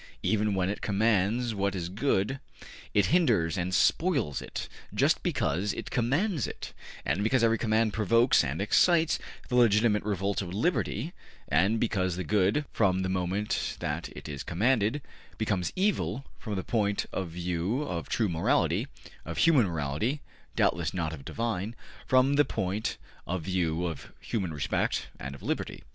... Even when it commands what is good, it hinders and spoils it, just because it commands it, and because every command provokes and excites the legitimate revolts of liberty; and because the good, from the moment that it is commanded, becomes evil from the point of view of true morality, of human morality (doubtless not of divine), from the point of view of human respect and of liberty.